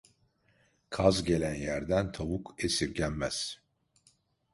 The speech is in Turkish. Kaz gelen yerden tavuk esirgenmez.